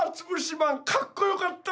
まんかっこよかったな！